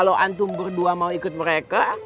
kalau antum berdua mau ikut mereka